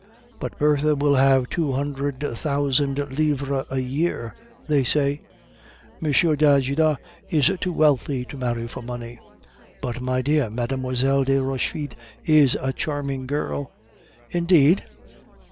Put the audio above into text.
"But Bertha will have two hundred thousand livres a year, they say." "M. d'Ajuda is too wealthy to marry for money." "But, my dear, Mlle. de Rochefide is a charming girl." "Indeed?"